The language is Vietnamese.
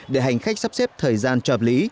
để hành khách sắp xếp thời gian trọp lý